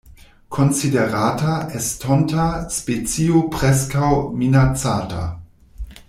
Konsiderata estonta specio Preskaŭ Minacata.